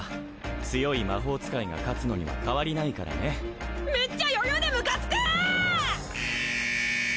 強い魔法使いが勝つのには変わりないからねめっちゃ余裕でムカつくぅ！